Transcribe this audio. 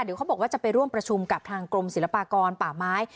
เดี๋ยวเขาบอกว่าจะไปร่วมประชุมกับทางกรมศิลปากรป่าไม้